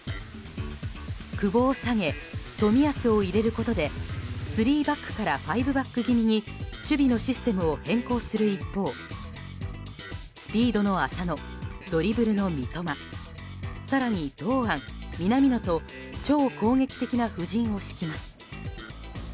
久保を下げ、冨安を入れることで３バックから５バック気味に守備のシステムを変更する一方スピードの浅野、ドリブルの三笘更に堂安、南野と超攻撃的な布陣を敷きます。